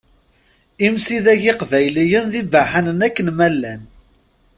Imsidag iqbayliyen d ibaḥanen akken ma llan.